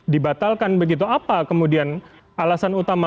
dibatalkan begitu apa kemudian alasan utama